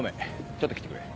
ちょっと来てくれ。